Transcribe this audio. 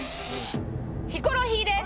ヒコロヒーです。